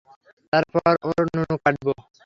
তারপর ওর নুনু কাটব।